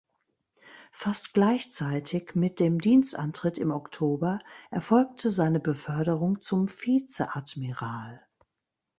Fast gleichzeitig mit dem Dienstantritt im Oktober erfolgte seine Beförderung zum Vizeadmiral.